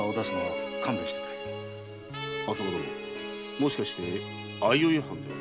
もしかして相生藩では？